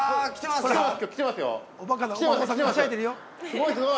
すごいすごい！◆